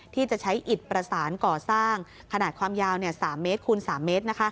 ที่จะใช้อิดประสานก่อสร้างขนาดความยาว๓เมตรคูณ๓เมตร